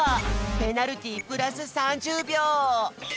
ペナルティープラス３０びょう！